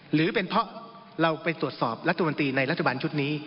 หรือเป็นเพราะเราไปตรวจสอบรัฐมนตรีในรัฐบาลชุดนี้